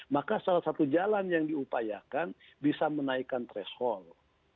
maka salah satu jalan yang diupayakan bisa menaikkan threshold